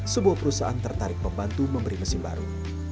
sebuah perusahaan tertarik membantu memberi mesin baru